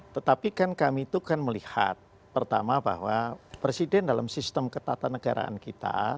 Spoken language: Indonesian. tetapi kan kami itu kan melihat pertama bahwa presiden dalam sistem ketatanegaraan kita